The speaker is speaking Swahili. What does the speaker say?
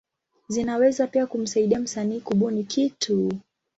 Zinaweza pia kumsaidia msanii kubuni kitu.